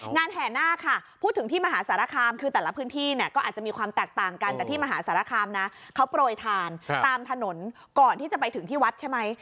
แห่นาคค่ะพูดถึงที่มหาสารคามคือแต่ละพื้นที่เนี่ยก็อาจจะมีความแตกต่างกันแต่ที่มหาสารคามนะเขาโปรยทานตามถนนก่อนที่จะไปถึงที่วัดใช่ไหม